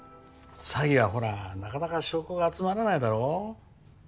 詐欺はほらなかなか証拠が集まらないだろ？